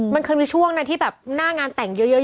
มันเคยมีช่วงนะที่แบบหน้างานแต่งเยอะ